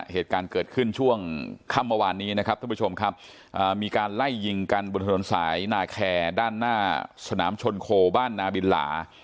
เหตุการณ์เกิดขึ้นช่วงค่ำเมื่อวานนี้นะครับท่านผู้ชมครับมีการไล่ยิงกันบนถนนสายนาแคร์ด้านหน้าสนามชนโคบ้านนาบินหลา